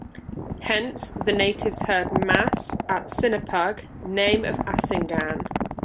Hence, the natives heard Mass at Sinapug, name of Asingan.